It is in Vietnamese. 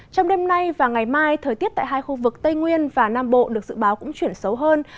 trong đêm nay và ngày mai thời tiết tại hai khu vực tây nguyên và nam bộ được dự báo cũng chuyển xấu hơn